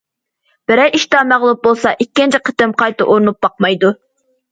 بىرەر ئىشتا مەغلۇپ بولسا ئىككىنچى قېتىم قايتا ئۇرۇنۇپ باقمايدۇ.